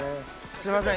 すいません